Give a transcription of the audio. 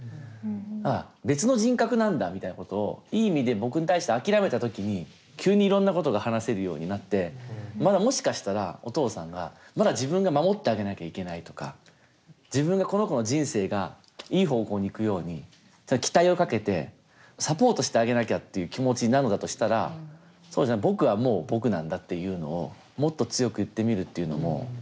ああ別の人格なんだみたいなことをいい意味で僕に対して諦めた時に急にいろんなことが話せるようになってまだもしかしたらお父さんがまだ自分が守ってあげなきゃいけないとか自分がこの子の人生がいい方向に行くように期待をかけてサポートしてあげなきゃっていう気持ちなのだとしたらそうじゃない僕はもう僕なんだっていうのをもっと強く言ってみるっていうのも。